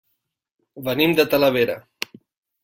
Venim de Talavera.